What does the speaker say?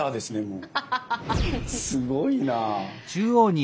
すごいなぁ。